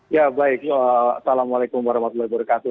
ya baik assalamualaikum warahmatullahi wabarakatuh